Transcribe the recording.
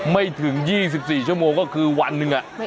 ไม่ถึง๒๔ชั่วโมงก็คือวันหนึ่ง